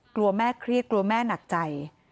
กลัวแม่เครียดกลัวแม่หนักใจ